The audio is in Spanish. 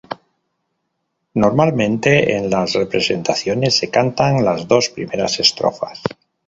Normalmente en las representaciones se cantan las dos primeras estrofas.